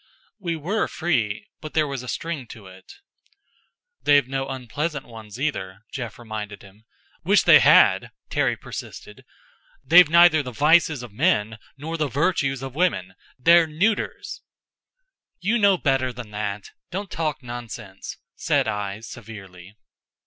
We were free but there was a string to it. "They've no unpleasant ones, either," Jeff reminded him. "Wish they had!" Terry persisted. "They've neither the vices of men, nor the virtues of women they're neuters!" "You know better than that. Don't talk nonsense," said I, severely.